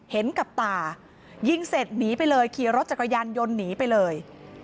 เห็นกับตายิงเสร็จหนีไปเลยขี่รถจักรยานยนต์หนีไปเลย